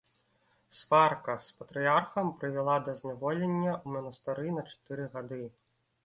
Сварка з патрыярхам прывяла да зняволення ў манастыры на чатыры гады.